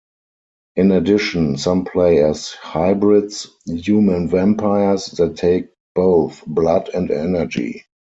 In addition, some play as hybrids, human vampires that take both blood and energy.